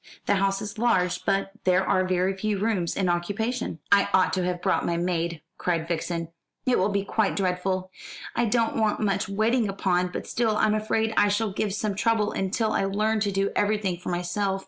The house is large, but there are very few rooms in occupation." "I ought to have brought my maid," cried Vixen. "It will be quite dreadful. I don't want much waiting upon; but still, I'm afraid I shall give some trouble until I learn to do everything for myself.